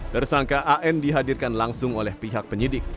tersangka an dihadirkan langsung oleh pihak penyidik